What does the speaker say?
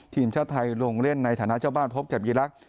ทีมชาติไทยลงเล่นในฐานะเจ้าบ้านพบกับอีรักษ